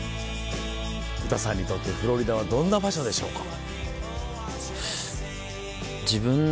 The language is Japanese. ＵＴＡさんにとってフロリダはどんな場所でしょうか？